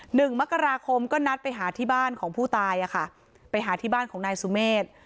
หนึ่งมกราคมก็นัดไปหาที่บ้านของผู้ตายอ่ะค่ะไปหาที่บ้านของนายสุเมฆ